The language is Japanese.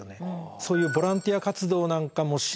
そういうボランティア活動なんかもしながら。